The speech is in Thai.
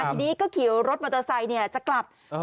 ทีนี้ก็ขี่รถมอเตอร์ไซค์จะกลับ